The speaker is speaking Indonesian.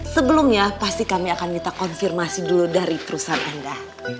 sebelumnya pasti kami akan minta konfirmasi dulu dari perusahaan anda